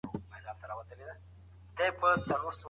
شفافیت او حساب ورکول اړین دي.